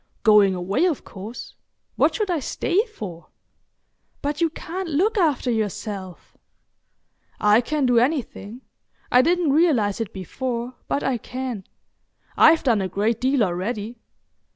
"Going away, of course. What should I stay for?" "But you can't look after yourself?" "I can do anything. I didn't realise it before, but I can. I've done a great deal already.